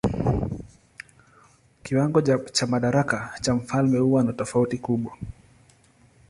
Kiwango cha madaraka cha mfalme huwa na tofauti kubwa.